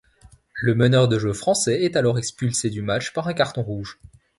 Le meneur de jeu français est alors expulsé du match par un carton rouge.